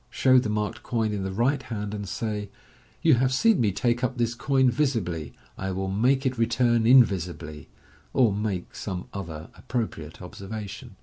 Show the marked coin in the right hand, and say, " You have seen me take up this coin visibly, I will make it return invisibly/1 or make some other appropriate observation.